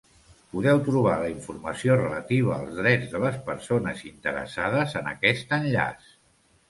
Podeu trobar la informació relativa als drets de les persones interessades en aquest enllaç.